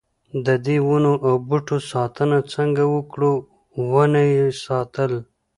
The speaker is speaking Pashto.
ددې ونو او بوټو ساتنه څنګه وکړو ونه یې ساتل.